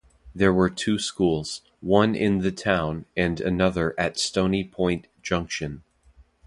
There were two Schools, one in the town and another at Stony Point junction.